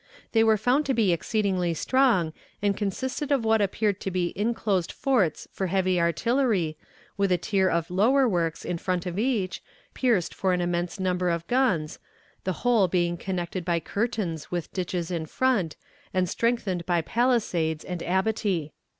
"They were found to be exceedingly strong, and consisted of what appeared to be inclosed forts for heavy artillery, with a tier of lower works in front of each, pierced for an immense number of guns, the whole being connected by curtains with ditches in front, and strengthened by palisades and abatis.